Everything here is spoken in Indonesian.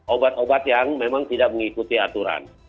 obat obat yang memang tidak mengikuti aturan